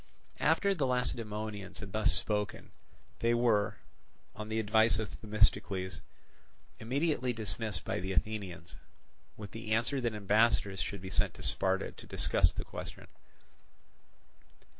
After the Lacedaemonians had thus spoken, they were, on the advice of Themistocles, immediately dismissed by the Athenians, with the answer that ambassadors should be sent to Sparta to discuss the question.